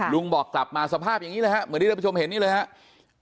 ลุงบอกกลับมาสภาพอย่างนี้เลยครับเหมือนที่ท่านผู้ชมเห็นนี่เลยครับ